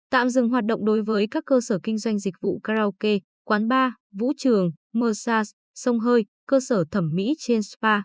tạm dừng hoạt động đối với các cơ sở kinh doanh dịch vụ karaoke quán bar vũ trường moshas sông hơi cơ sở thẩm mỹ trên spa